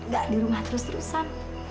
gak dirumah terus terusan